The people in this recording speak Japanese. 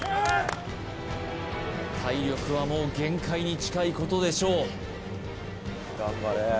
体力はもう限界に近いことでしょうねえ